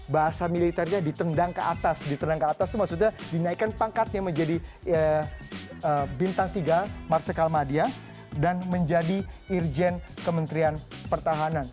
bahasa militernya ditendang ke atas ditendang ke atas itu maksudnya dinaikkan pangkatnya menjadi bintang tiga marsikal madia dan menjadi irjen kementerian pertahanan